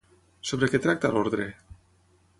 Sobre què tracta l'ordre?